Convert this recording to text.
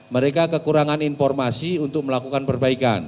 mereka kekurangan informasi untuk melakukan perbaikan